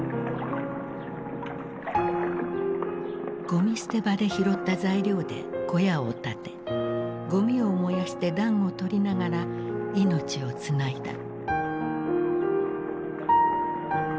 ごみ捨て場で拾った材料で小屋を建てごみを燃やして暖を取りながら命をつないだ。